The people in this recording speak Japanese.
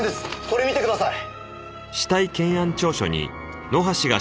これ見てください！